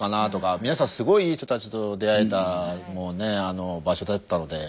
皆さんすごいいい人たちと出会えた場所だったので。